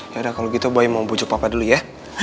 yaudah kalau gitu boy mau bujuk papa dulu ya